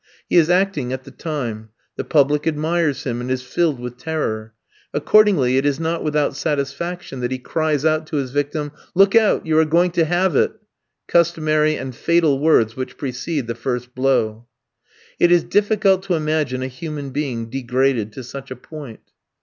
He is acting at the time; the public admires him, and is filled with terror. Accordingly, it is not without satisfaction that he cries out to his victim, "Look out! you are going to have it!" customary and fatal words which precede the first blow. It is difficult to imagine a human being degraded to such a point.